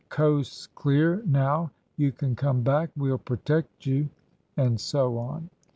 Coast's clear, now; you can come back. We'll protect you," and so on.